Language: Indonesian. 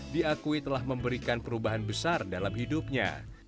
diakui telah memberikan perubahan besar dalam hidupnya